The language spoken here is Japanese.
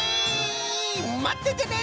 まっててね！